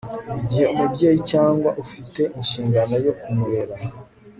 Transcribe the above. igihe umubyeyi cyangwa ufite ishingano yo kumurera